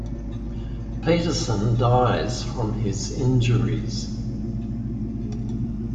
Peterson dies from his injuries.